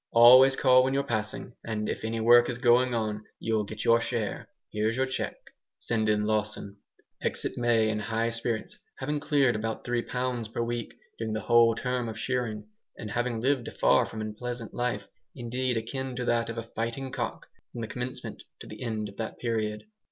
Always call when you're passing, and if any work is going on you'll get your share. Here's your cheque. Send in Lawson!" Exit May, in high spirits, having cleared about three pounds per week, during the whole term of shearing, and having lived a far from unpleasant life, indeed akin to that of a fighting cock, from the commencement to the end of that period.